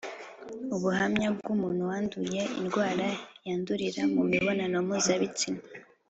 Ubuhamya bw’umuntu wanduye indwara yandurira mu mibonano mpuzabitsina